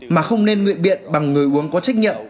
mà không nên nguyện biện bằng người uống có trách nhiệm